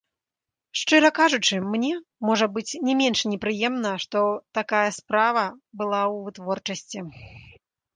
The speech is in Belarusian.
Шчыра кажучы, мне, можа быць, не менш непрыемна, што такая справа была ў вытворчасці.